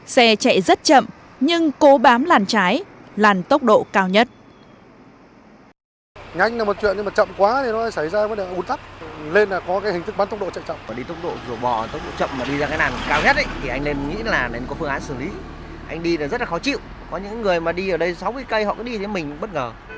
xe chạy rất chậm nhưng cố bám làn trái làn tốc độ cao nhất